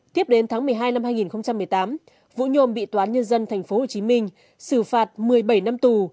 tiếp đến tháng một mươi hai năm hai nghìn một mươi tám vũ nhôm bị toán nhân dân tp hcm xử phạt một mươi bảy năm tù